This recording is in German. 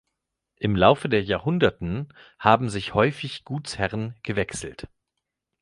Im Laufe der Jahrhunderten haben sich häufig Gutsherren gewechselt.